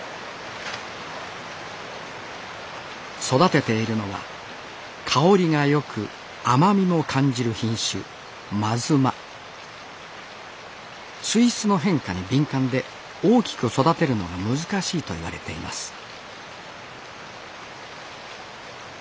育てているのは香りが良く甘みも感じる品種水質の変化に敏感で大きく育てるのが難しいと言われています